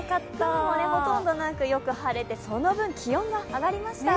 雲はほとんどなくよく晴れて、その分気温が上がりました。